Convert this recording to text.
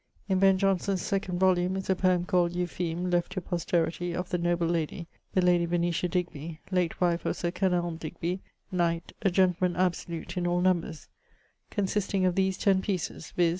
In Ben. Johnson's 2d volumne is a poeme called 'Eupheme[DY], left to posteritie, of the noble lady, the ladie Venetia Digby, late wife of Sir Kenelme Digby, knight, a gentleman absolute in all numbers: consisting of these ten pieces, viz.